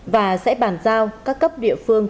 và sẽ bàn giao các cấp địa phương